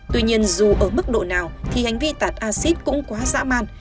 tuy nhiên dù ở mức độ nào thì hành vi tạt acid cũng quá giãn